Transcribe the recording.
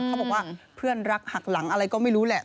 เขาบอกว่าเพื่อนรักหักหลังอะไรก็ไม่รู้แหละ